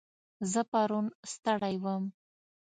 زه پرون ستړی وم.